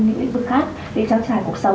những lĩnh vực khác để trang trải cuộc sống